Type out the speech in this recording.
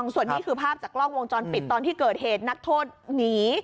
ส่วนนี้คือภาพจากกล้องวงจรปิดตอนที่เกิดเหตุนักโทษหนี